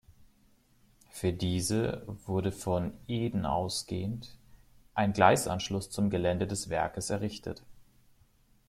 Für diese wurde von Eden ausgehend ein Gleisanschluss zum Gelände des Werkes errichtet.